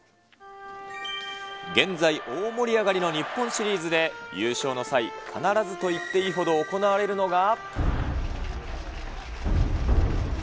現在、大盛り上がりの日本シリーズで、優勝の際、必ずといっていいほど行われるのが。